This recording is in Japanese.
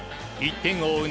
１点を追う